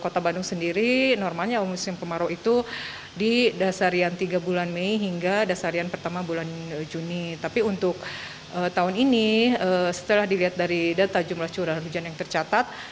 tapi untuk tahun ini setelah dilihat dari data jumlah curah hujan yang tercatat